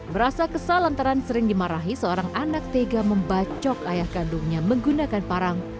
berasa kesal antaran sering dimarahi seorang anak tega membacok ayah kandungnya menggunakan parang